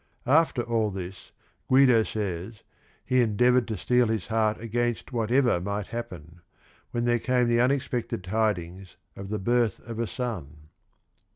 After all this, Guido says, he endeavored to steel his heart against whatever might happen, when there came the unexpected tidings of the birth of a son.